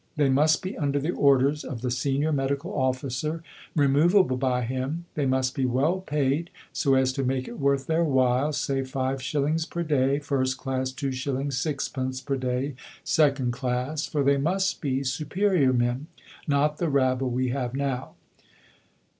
They must be under the orders of the Senior Medical Officer, removable by him; they must be well paid so as to make it worth their while, say 5s. per day, 1st class, 2s. 6d. per day 2nd class for they must be superior men, not the rabble we have now.